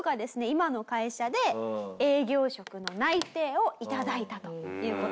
今の会社で営業職の内定を頂いたという事なんですが。